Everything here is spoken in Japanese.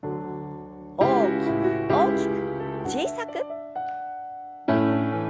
大きく大きく小さく。